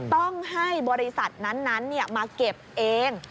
ต้องให้บริษัทนั้นมาเก็บเอง